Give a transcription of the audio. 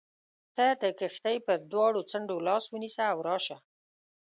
ته د کښتۍ پر دواړو څنډو لاس ونیسه او راشه.